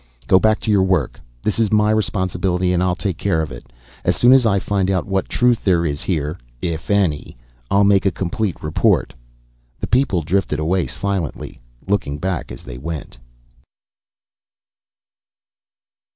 "Go back to your work. This is my responsibility and I'll take care of it. As soon as I find out what truth there is here if any I'll make a complete report." The people drifted away silently, looking back as they went.